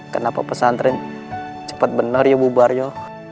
kenapa pesantren cepat benar ya bu baryo